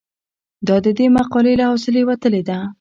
دا د دې مقالې له حوصلې وتلې ده.